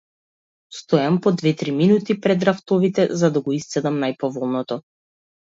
Стојам по две-три минути пред рафтовите, за да го исцедам најповолното.